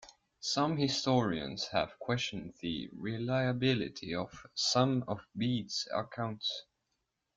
Some historians have questioned the reliability of some of Bede's accounts.